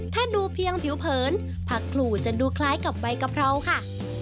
ถ้าดูเพียงผิวเผินผักขลู่จะดูคล้ายกับใบกะเพราค่ะ